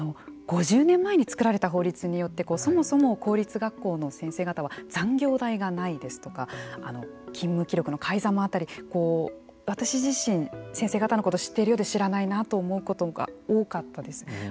５０年前に作られた法律によってそもそも公立学校の先生方は残業代がないですとか勤務記録の改ざんもあったり私自身、先生方のことを知っているようで知らないなと思うことが多かったです。